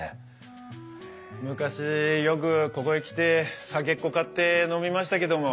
昔よくここへ来て酒っこ買って飲みましたけども。